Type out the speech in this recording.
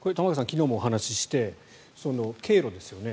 昨日もお話しして経路ですよね。